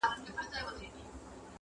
• نشه یمه تر اوسه جام مي بل څکلی نه دی,